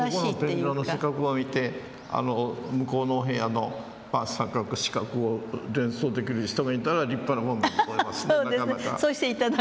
でもここの天井の四角を見て向こうのお部屋の三角四角を連想できる人がいたら立派なものでございますねなかなか。